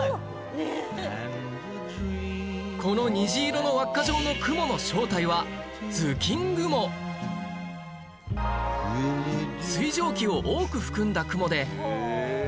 この虹色の輪っか状の雲の正体は水蒸気を多く含んだ雲で